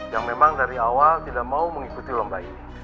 yang memang dari awal tidak mau mengikuti lomba ini